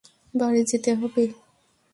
বাড়ি যেতে হবে!